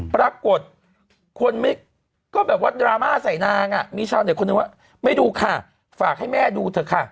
ปรากฏคนก็แบบว่าดราม่าใส่นางอ่ะมีชาวเน็ตคนนึงว่าไม่ดูค่ะฝากให้แม่ดูเถอะค่ะ